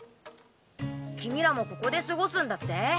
君らもここで過ごすんだって？